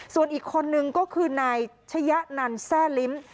ส่วนอีกคนนึงก็คือนายชะยะนันแทร่ลิ้ม